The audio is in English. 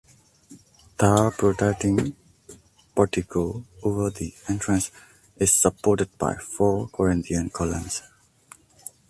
Ther protruding portico over the entrance is supported by four Corinthian columns.